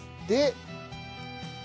で。